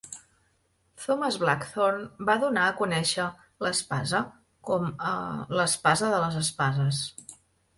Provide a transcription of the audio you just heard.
Thomas Blackthorne va donar a conèixer l'espasa com a "L'espasa de les espases".